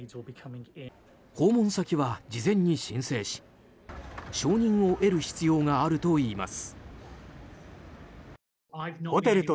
訪問先は事前に申請し承認を得る必要があるといいます。